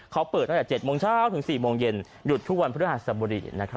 เขาเปิดตั้งแต่๗โมงเช้าถึง๔โมงเย็นหยุดทุกวันพฤหัสบดีนะครับ